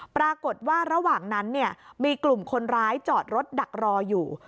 ปรากฏว่าระหว่างนั้นมีกลุ่มคนร้ายจอดรถดักรออยู่